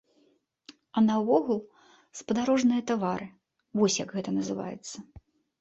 А наогул, спадарожныя тавары, вось як гэта называецца.